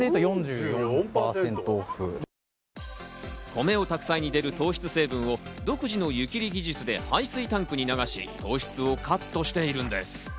米を炊く際に出る糖質成分を独自の湯切り技術で排水タンクに流し、糖質をカットしているんです。